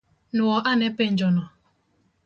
Nuo ane penjo no?